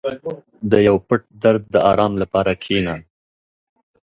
• د یو پټ درد د آرام لپاره کښېنه.